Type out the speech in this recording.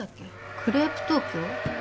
クレープ東京？